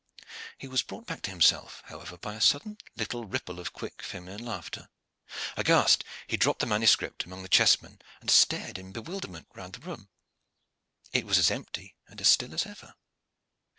He was brought back to himself, however, by a sudden little ripple of quick feminine laughter. Aghast, he dropped the manuscript among the chessmen and stared in bewilderment round the room. It was as empty and as still as ever.